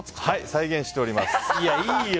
再現しております。